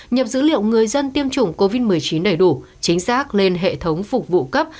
nhập dữ liệu người dân tiêm chủng covid một mươi chín đầy đủ chính xác lên hệ thống phục vụ cấp